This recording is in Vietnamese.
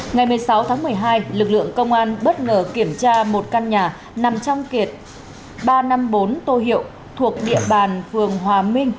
ngày một mươi sáu tháng một mươi hai lực lượng công an bất ngờ kiểm tra một căn nhà nằm trong kiệt ba trăm năm mươi bốn tô hiệu thuộc địa bàn phường hòa minh